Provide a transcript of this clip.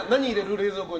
冷蔵庫に。